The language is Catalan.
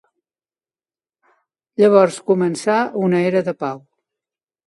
Llavors començà una era de pau.